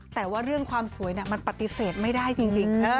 แต่ว่าเรื่องความสวยมันปฏิเสธไม่ได้จริง